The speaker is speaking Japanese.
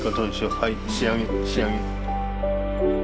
はい仕上げ仕上げ。